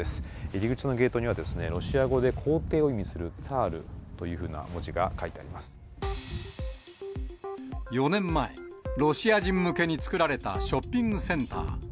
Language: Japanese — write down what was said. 入り口のゲートには、ロシア語で皇帝を意味するツァールというふうな文字が書いてあり４年前、ロシア人向けに作られたショッピングセンター。